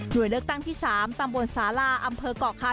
โดยเลือกตั้งที่๓ตำบลสาลาอำเภอกเกาะคา